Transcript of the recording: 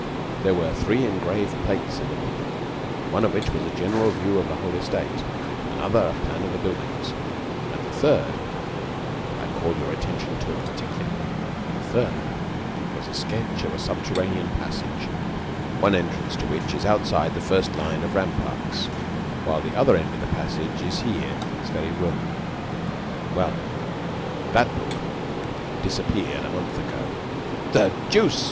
There were three engraved plates in the book; one of which was a general view of the whole estate; another, the plan of the buildings; and the third I call your attention to it, particularly the third was the sketch of a subterranean passage, an entrance to which is outside the first line of ramparts, while the other end of the passage is here, in this very room. Well, that book disappeared a month ago." "The deuce!"